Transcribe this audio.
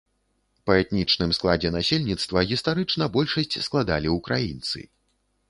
Па этнічным складзе насельніцтва гістарычна большасць складалі ўкраінцы.